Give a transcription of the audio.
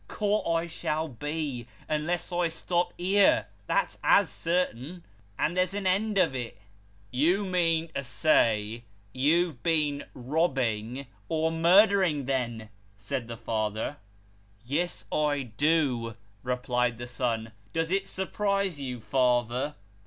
Caught I shall be, unless I stop here ; that's as certain. And there's an end of it." " You mean to say, you've been robbing, or murdering, then ?" said the father. " Yes, I do," replied the son. " Does it surprise you, father